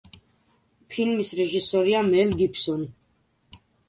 ფილმის რეჟისორია მელ გიბსონი.